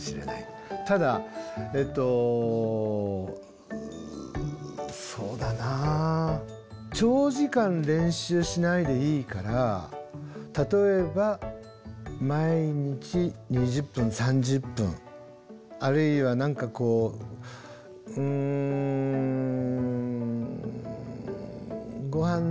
ただえっとそうだな長時間練習しないでいいから例えば毎日２０分３０分あるいは何かこううんごはん